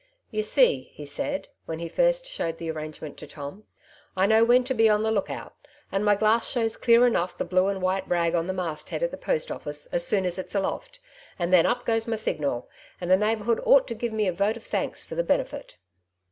''You see,'' he said, when he first showed the arrangement to Tom, " I know when to be on the look out, and my glass shows clear enough the blue and white rag on the mast head at the post office as soon as it's aloft, and then up goes my signal ; and the neighbourhood ought to give me a vote of thanks for the benefit.''